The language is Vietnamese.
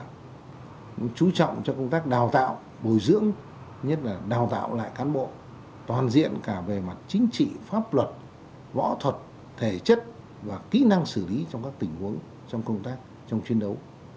cũng chú trọng cho công tác đào tạo bồi dưỡng nhất là đào tạo lại cán bộ toàn diện cả về mặt chính trị pháp luật võ thuật thể chất và kỹ năng xử lý trong các tình huống trong công tác trong chiến đấu